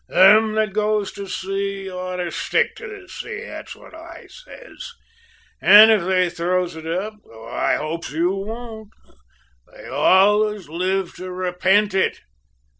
Them that goes to sea oughter stick to the sea, that's what I says; and if they throws it up, though I hopes you won't, they allus live to repent it.